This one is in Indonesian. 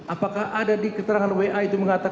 apakah ada di keterangan wa itu mengatakan